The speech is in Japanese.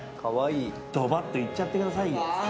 ドバッといっちゃってください。